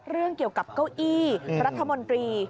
เรื่องเกี่ยวกับเก้าอี้รัฐมนตรี